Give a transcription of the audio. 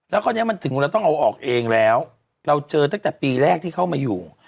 แล้วคราวนี้มันถึงเราต้องเอาออกเองแล้วเราเจอตั้งแต่ปีแรกที่เข้ามาอยู่